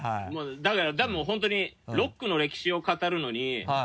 だからもう本当にロックの歴史を語るのに。